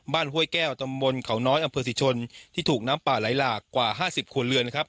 ห้วยแก้วตำบลเขาน้อยอำเภอสิชนที่ถูกน้ำป่าไหลหลากกว่า๕๐ครัวเรือนนะครับ